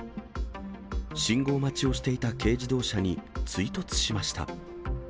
信号待ちをしていた軽自動車に、追突しました。